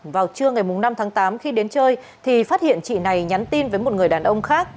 vào trưa ngày năm tháng tám khi đến chơi thì phát hiện chị này nhắn tin với một người đàn ông khác